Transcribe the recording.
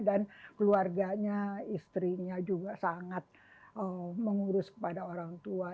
dan keluarganya istrinya juga sangat mengurus kepada orang tua